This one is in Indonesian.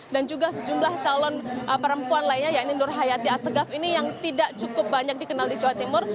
dan juga sejumlah calon perempuan lainnya yang nur hayati assegaf ini yang tidak cukup banyak dikenal di jawa timur